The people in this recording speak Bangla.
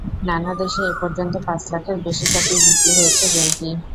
নানা দেশে এ পর্যন্ত পাঁচ লাখের বেশি কপি বিক্রি হয়েছে গেমটি।